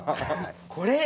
これ？